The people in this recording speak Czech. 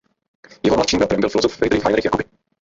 Jeho mladším bratrem byl filozof Friedrich Heinrich Jacobi.